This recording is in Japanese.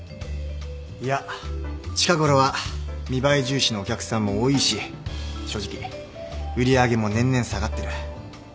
いや近ごろは見栄え重視のお客さんも多いし正直売り上げも年々下がってる。